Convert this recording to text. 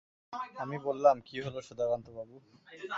আমি বললাম, কী হল সুধাকান্তবাবু?